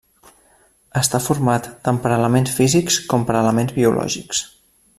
Està format tant per elements físics com per elements biològics.